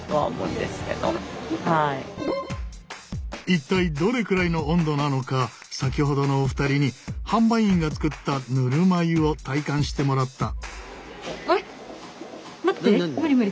一体どれくらいの温度なのか先ほどのお二人に販売員が作ったぬるま湯を体感してもらった。